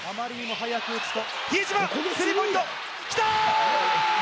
比江島、スリーポイント、キタ！